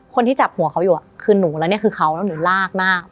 คนที่จับหัวเขาอยู่คือหนูแล้วนี่คือเขาแล้วหนูลากหน้า